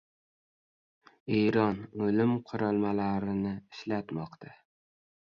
Eron "o‘lim qurilmalari"ni ishlatmoqda